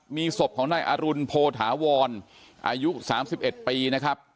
มีศพของนายอรุณโพธาวรอายุ๓๑ปีนะครับ